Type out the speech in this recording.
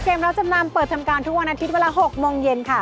รับจำนำเปิดทำการทุกวันอาทิตย์เวลา๖โมงเย็นค่ะ